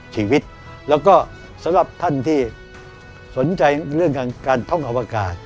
ชีวิตแล้วก็สำหรับท่านที่สนใจเรื่องทางการท่องอวกาศ